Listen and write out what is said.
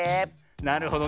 なるほどね。